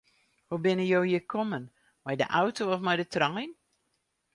Hoe binne jo hjir kommen, mei de auto of mei de trein?